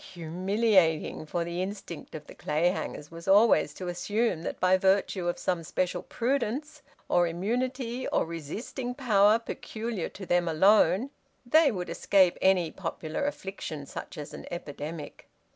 Humiliating! For the instinct of the Clayhangers was always to assume that by virtue of some special prudence, or immunity, or resisting power, peculiar to them alone, they would escape any popular affliction such as an epidemic.